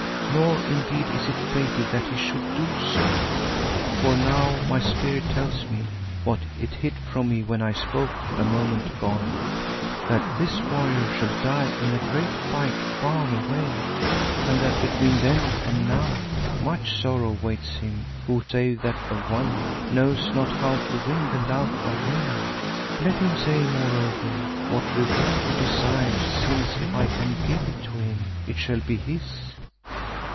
Nor indeed is it fated that he should do so, for now my Spirit tells me what it hid from me when I spoke a moment gone, that this warrior shall die in a great fight far away and that between then and now much sorrow waits him who save that of one, knows not how to win the love of women. Let him say moreover what reward he desires since if I can give it to him, it shall be his."